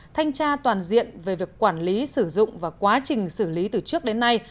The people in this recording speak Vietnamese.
thanh tra toàn diện về việc quản lý sử dụng và quá trình xử lý từ trước đến nay